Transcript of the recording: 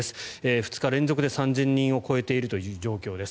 ２日連続で３０００人を超えているという状況です。